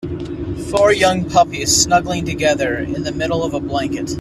four young puppies snuggling together in the middle of a blanket.